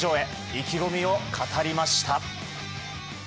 意気込みを語りました。